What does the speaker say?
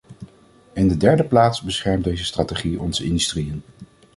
In de derde plaats beschermt deze strategie onze industrieën.